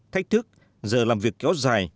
thách thức giờ làm việc kéo dài